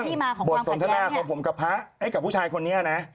ส่วนเรื่องบทสนทนาของผมกับพระกับผู้ชายคนนี้นะ